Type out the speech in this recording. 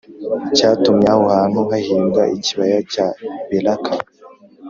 cyatumye aho hantu hahimbwa ikibaya cya Beraka